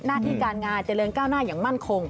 หน้าที่การงานเจริญก้าวหน้าอย่างมั่นคง